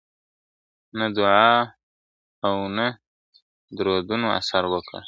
نه دعا او نه درودونو اثر وکړ ..